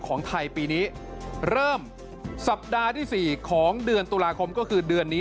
ของไทยปีนี้เริ่มสัปดาห์ที่๔ของเดือนตุลาคมก็คือเดือนนี้